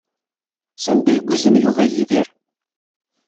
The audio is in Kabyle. Sanda ay yuzen Yuba Yidir?